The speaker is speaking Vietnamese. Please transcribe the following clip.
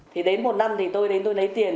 thì đến một năm tôi lấy tiền